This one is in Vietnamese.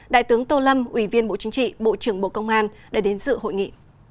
đại tướng tô lâm ủy viên bộ chính trị bộ trưởng bộ công an đã đến sự hội nghị